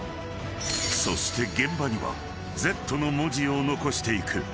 ［そして現場にはＺの文字を残していく］